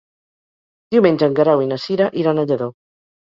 Diumenge en Guerau i na Cira iran a Lladó.